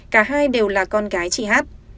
cả hai đều là con gái chị hát